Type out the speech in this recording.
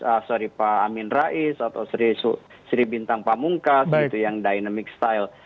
pak anies sorry pak amin rais atau sri bintang pamungkas itu yang dynamic style